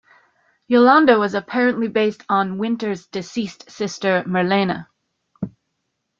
Yolande was apparently based on Wynter's deceased sister Merlene.